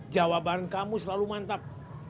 jawaban kamu selalu mantap